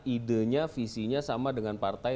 idenya visinya sama dengan partai